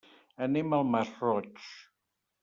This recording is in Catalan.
Anem al Masroig.